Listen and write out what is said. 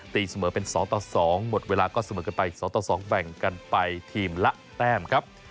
ตีเสมอเป็น๒ต่อ๒หมดเวลาก็เสมอกันไป๒ต่อ๒แบ่งกันไปทีมละแต้มครับ